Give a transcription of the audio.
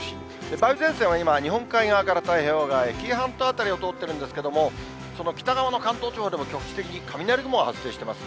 梅雨前線は今、日本海側から太平洋側へ、紀伊半島辺りを通ってるんですけれども、その北側の関東地方でも、局地的に雷雲が発生してます。